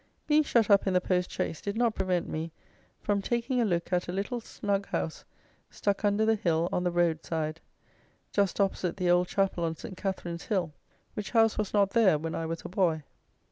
Being shut up in the post chaise did not prevent me from taking a look at a little snug house stuck under the hill on the road side, just opposite the old chapel on St. Catherine's hill, which house was not there when I was a boy.